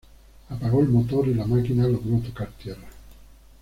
Apagó el motor y la máquina logró tocar tierra.